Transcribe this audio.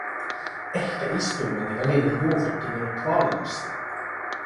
Ehkä istuimeni välillä juovutti minut vallasta.